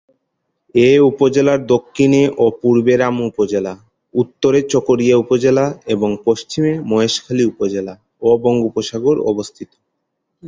এ উপজেলার দক্ষিণে ও পূর্বে রামু উপজেলা, উত্তরে চকরিয়া উপজেলা এবং পশ্চিমে মহেশখালী উপজেলা ও বঙ্গোপসাগর অবস্থিত।